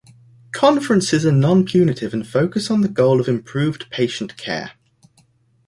Conferences are non-punitive and focus on the goal of improved patient care.